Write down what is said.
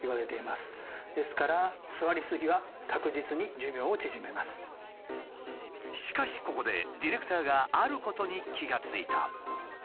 何か今しかしここでディレクターがあることに気が付いた。